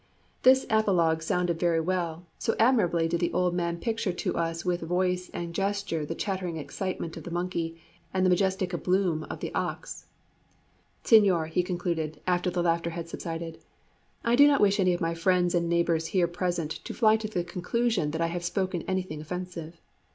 This apologue sounded very well, so admirably did the old man picture to us with voice and gesture the chattering excitement of the monkey and the majestic aplomb of the ox. "Señor," he continued, after the laugh had subsided, "I do not wish any of my friends and neighbours here present to fly to the conclusion that I have spoken anything offensive.